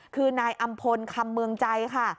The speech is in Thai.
คือนายอำพลคำเมืองใจค่ะ